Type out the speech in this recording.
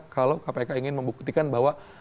kalau kpk ingin membuktikan bahwa